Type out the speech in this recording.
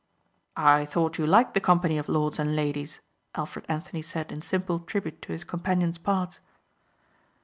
"I thought you liked the company of lords and ladies," Alfred Anthony said in simple tribute to his companion's parts.